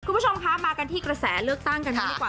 คุณผู้ชมคะมากันที่กระแสเลือกตั้งกันบ้างดีกว่า